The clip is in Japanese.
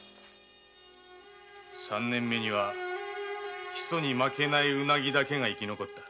三年目には砒素に負けないウナギだけが生き残った。